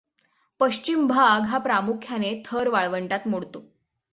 पश्चिम भाग हा प्रामुख्याने थर वाळवंटात मोडतो.